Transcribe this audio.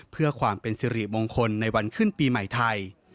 เพื่อความเป็นสิริมงคลในวันขึ้นปีใหม่ไทย